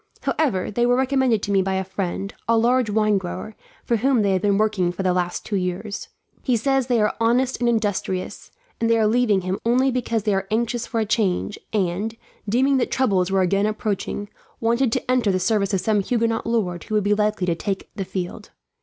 However, they were recommended to me by a friend, a large wine grower, for whom they have been working for the last two years. He says they are honest and industrious, and they are leaving him only because they are anxious for a change and, deeming that troubles were again approaching, wanted to enter the service of some Huguenot lord who would be likely to take the field.